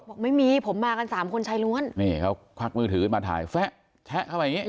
บอกไม่มีผมมากันสามคนชายล้วนนี่เขาควักมือถือขึ้นมาถ่ายแฟะแชะเข้าไปอย่างงี้